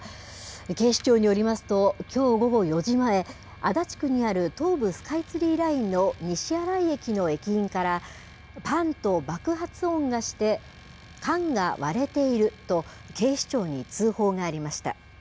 警視庁によりますと、きょう午後４時前、足立区にある東武スカイツリーラインの西新井駅の駅員から、ぱんと爆発音がして、缶が割れていると警視庁に通報がありました。